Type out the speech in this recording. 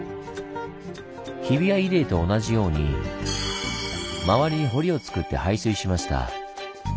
日比谷入江と同じように周りに堀をつくって排水しました。